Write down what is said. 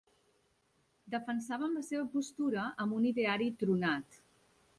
Defensaven la seva postura amb un ideari tronat.